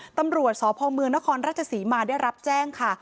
ตำรวจสพเมืองนครราชศรีมาได้รับแจ้งค่ะ